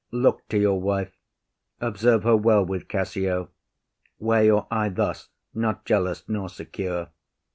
Look to your wife; observe her well with Cassio; Wear your eye thus, not jealous nor secure.